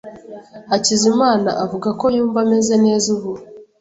Hakizimana avuga ko yumva ameze neza ubu.